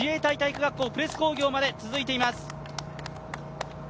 自衛隊体育学校、プレス工業まで続いています。